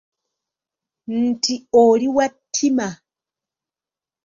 Nti oli wa ttima.